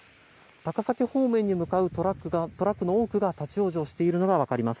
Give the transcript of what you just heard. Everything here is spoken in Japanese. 高崎方面に向かうトラックの多くが立ち往生しているのがわかります。